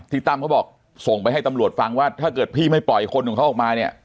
ตั้มเขาบอกส่งไปให้ตำรวจฟังว่าถ้าเกิดพี่ไม่ปล่อยคนของเขาออกมาเนี่ย